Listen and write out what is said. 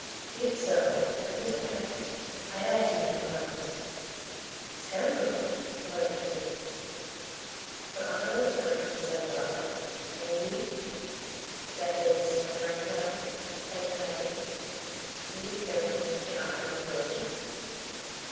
"Be it so! on his account I add two hundred crowns." "Scoundrel!" muttered D'Artagnan. "But on our return," he said aloud, "may we, that is, my friend and I, depend on having, he his barony, and I my promotion?"